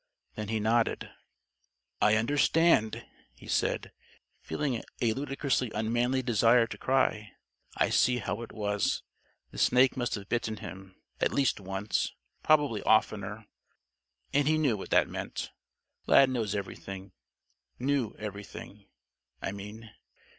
Then he nodded. "I understand," he said, feeling a ludicrously unmanly desire to cry. "I see how it was. The snake must have bitten him, at least once. Probably oftener, and he knew what that meant. Lad knows everything knew everything, I mean.